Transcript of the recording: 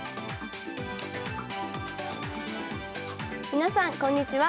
皆さんこんにちは。